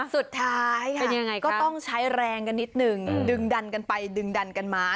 สุดท้ายค่ะก็ต้องใช้แรงกันนิดนึงดึงดันกันไปดึงดันกันมา